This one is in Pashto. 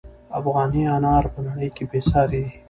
افغاني انار په نړۍ کې بې ساري دي.